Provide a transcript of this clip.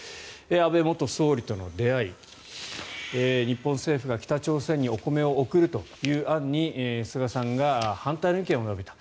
安倍元総理との出会い日本政府が北朝鮮にお米を送るという案に菅さんが反対の意見を述べた。